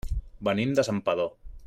Venim de Santpedor.